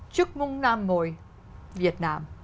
chúc mừng nam môi việt nam